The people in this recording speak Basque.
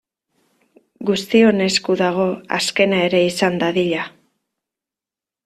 Guztion esku dago azkena ere izan dadila.